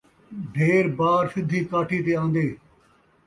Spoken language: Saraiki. ڈھیر بار سدھی کاٹھی تے آن٘دے